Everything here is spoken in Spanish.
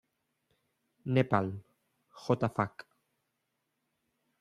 Nepal; J. Fac.